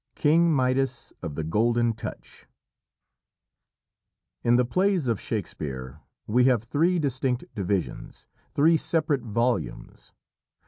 KING MIDAS OF THE GOLDEN TOUCH In the plays of Shakespeare we have three distinct divisions three separate volumes.